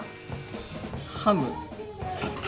「ハム」。